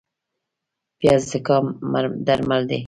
پیاز د زکام درمل دی